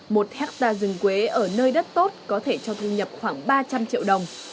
một hectare rừng quế ở nơi đất tốt có thể cho thu nhập khoảng ba trăm linh triệu đồng